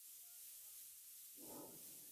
De postre se suele acompañar de crema de limón.